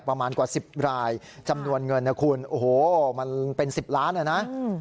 ประมาณกว่า๑๐รายจำนวนเงินนะคุณโอ้โหมันเป็น๑๐ล้านอ่ะนะ